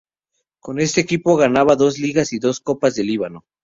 Con este equipo gana dos Ligas y dos Copas de Líbano.